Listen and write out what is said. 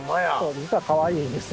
実はかわいいんですよ。